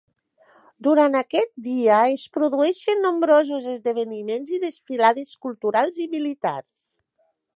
Durant aquest dia, es produeixen nombrosos esdeveniments i desfilades culturals i militars.